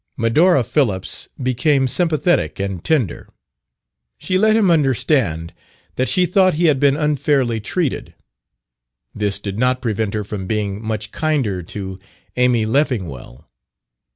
Medora Phillips became sympathetic and tender. She let him understand that she thought he had been unfairly treated. This did not prevent her from being much kinder to Amy Leffingwell.